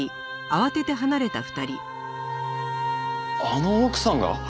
あの奥さんが？